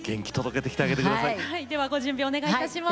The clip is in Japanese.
ではご準備お願いいたします。